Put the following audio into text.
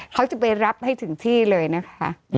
เขาจะไปรับให้ถึงที่เลยนะคะ